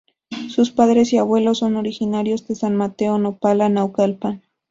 Sus padres y abuelos son originarios de San Mateo Nopala, Naucalpan.